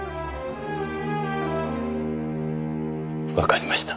わかりました。